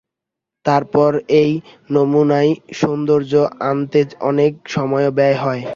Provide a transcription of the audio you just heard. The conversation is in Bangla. তারপর এই নমুনায় সৌন্দর্য আনতে অনেক সময়ও ব্যয় হয়।